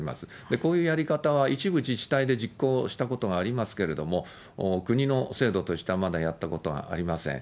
こういうやり方は一部自治体で実行したことがありますけれども、国の制度としてはまだやったことはありません。